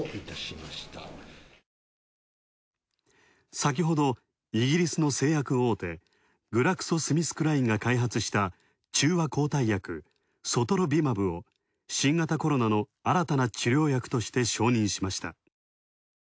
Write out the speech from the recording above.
先ほど、イギリスの製薬大手グラクソ・スミスクラインが開発した、中和抗体薬ソトロビマブを新型コロナの新たな治療薬として承認しました。